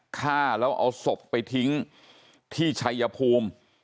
ฆ่าแล้วเอาศพไปทิ้งที่ชัยภูมิ